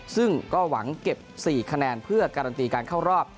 ซึ่งก็หวังเก็บ๔คะแนนเพื่อการันตีการเข้ารอบ